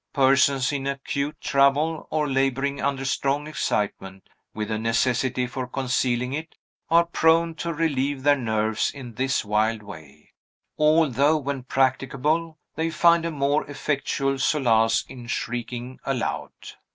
Persons in acute trouble, or laboring under strong excitement, with a necessity for concealing it, are prone to relieve their nerves in this wild way; although, when practicable, they find a more effectual solace in shrieking aloud.